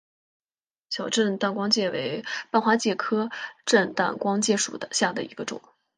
小震旦光介为半花介科震旦光介属下的一个种。